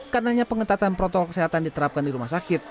karena pengetatan protokol kesehatan diterapkan di rumah sakit